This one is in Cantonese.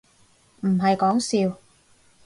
唔係講笑